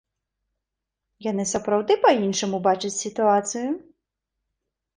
Яны сапраўды па-іншаму бачаць сітуацыю?